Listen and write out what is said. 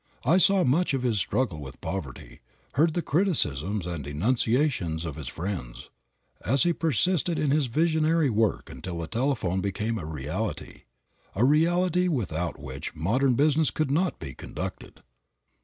I saw much of his struggle with poverty, heard the criticisms and denunciations of his friends, as he persisted in his visionary work until the telephone became a reality, a reality without which modern business could not be conducted.